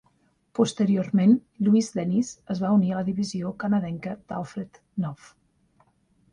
Posteriorment, Louise Dennys es va unir a la divisió canadenca d'Alfred A. Knopf.